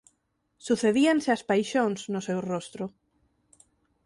Sucedíanse as paixóns no seu rostro.